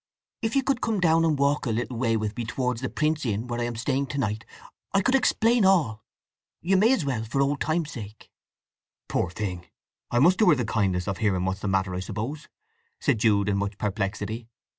If you could come down and walk a little way with me towards the Prince Inn, where I am staying to night, I would explain all. You may as well, for old time's sake!" "Poor thing! I must do her the kindness of hearing what's the matter, I suppose," said Jude in much perplexity.